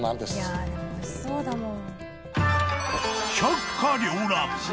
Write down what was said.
「だっておいしそうだもん」